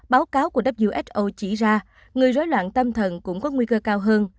báo cáo của who chỉ ra người rối loạn tâm thần cũng có nguy cơ cao hơn